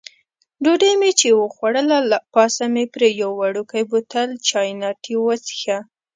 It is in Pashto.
ډوډۍ مې چې وخوړله، له پاسه مې پرې یو وړوکی بوتل چیانتي وڅېښه.